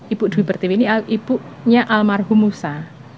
ibu dwi pertiwi ini ibunya almarhum musa